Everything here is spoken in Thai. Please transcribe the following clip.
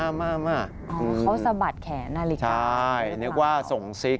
เขาสะบัดแขนน่ะลิคาใช่นึกว่าส่งซิก